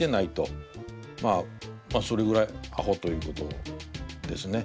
まあそれぐらいアホということですね。